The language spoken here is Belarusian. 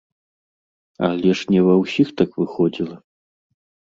Але ж не ва ўсіх так выходзіла.